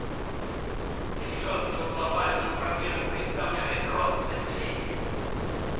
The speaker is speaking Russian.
Серьезную глобальную проблему представляет рост населения.